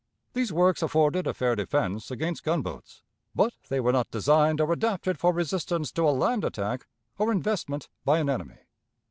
These works afforded a fair defense against gunboats; but they were not designed or adapted for resistance to a land attack or investment by an enemy.